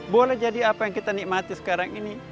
boleh jadi apa yang kita nikmati sekarang ini